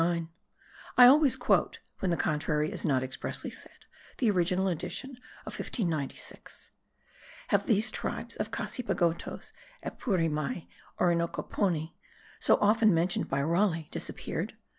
I always quote, when the contrary is not expressly said, the original edition of 1596. Have these tribes of Cassipagtos, Epuremei, and Orinoqueponi, so often mentioned by Raleigh, disappeared?